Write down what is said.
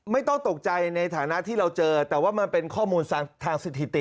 ไม่ต้องตกใจในฐานะที่เราเจอแต่ว่ามันเป็นข้อมูลทางสถิติ